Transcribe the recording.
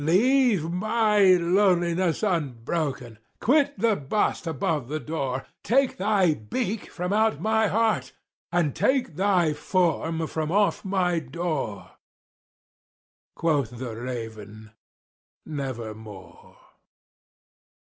Leave my loneliness unbroken!—quit the bust above my door! Take thy beak from out my heart, and take thy form from off my door!" Quoth the raven, "Nevermore."